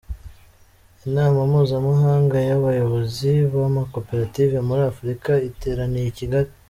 Inama mpuzamahanga y’abayobozi b’amakoperative muri Afurika iteraniye i Kigali